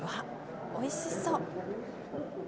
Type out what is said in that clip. おいしそう。